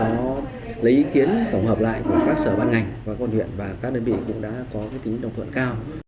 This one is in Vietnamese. nó lấy ý kiến tổng hợp lại của các sở ban ngành và quận huyện và các đơn vị cũng đã có tính đồng thuận cao